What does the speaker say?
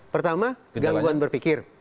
pertama gangguan berpikir